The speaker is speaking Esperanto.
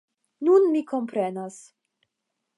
Nun mi komprenas!